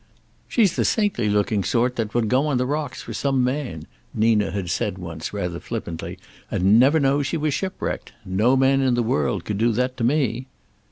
"She's the saintly looking sort that would go on the rocks for some man," Nina had said once, rather flippantly, "and never know she was shipwrecked. No man in the world could do that to me."